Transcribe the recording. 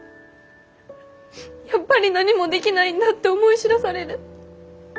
やっぱり何もできないんだって思い知らされる。